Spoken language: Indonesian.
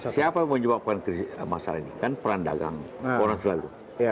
siapa yang menyebabkan masalah ini kan peran dagang orang selalu